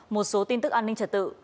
một số tin tức an ninh trật tự